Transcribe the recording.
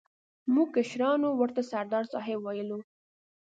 موږ کشرانو ورته سردار صاحب ویلو.